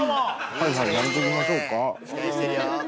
はいはい、やめときましょうか。